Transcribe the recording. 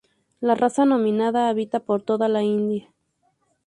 La raza nominada habita por toda la India.